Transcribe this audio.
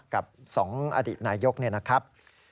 กับ๒อดีตนายกเนี่ยนะครับ